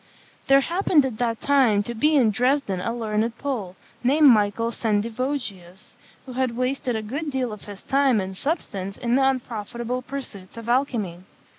There happened at that time to be in Dresden a learned Pole, named Michael Sendivogius, who had wasted a good deal of his time and substance in the unprofitable pursuits of alchymy.